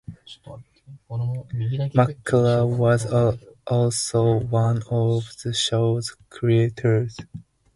McKellar was also one of the show's creators.